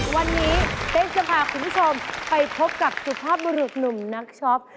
วันนี้เป๊กจะพาคุณผู้ชมไปพบกับสุภาพบุรุษหนุ่มนักช็อป